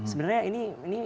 sebenarnya ini ini ini